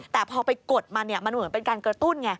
แต่พอไปกดมันมันเหมือนเป็นการกระตุ้นไง